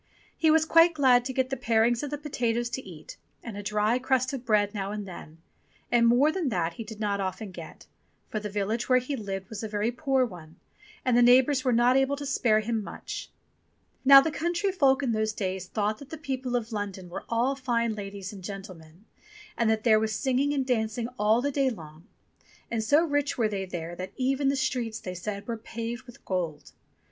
He was quite glad to get the parings of the potatoes to eat and a dry crust of bread now and then, and more than that he did not often get, for the village where he lived was a very poor one and the neighbours were not able to spare him much. Now the country folk in those days thought that the people of London were all fine ladies and gentlemen, and that there was singing and dancing all the day long, and so rich were they there that even the streets, they said, were paved with gold.